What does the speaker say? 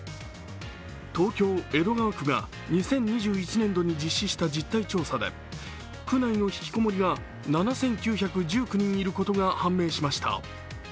東京・江戸川区が２０２１年度に実施した実態調査で区内の引きこもりが７９１９人いることが判明しました。